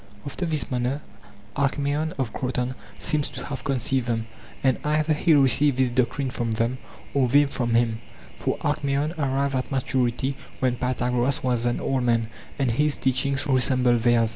After this manner Alkmaeon of Kroton seems to have conceived them, and either he received this doctrine from them or they from him ; for Alkmaeon arrived at maturity when Pythagoras was an old man, and his teachings resembled theirs.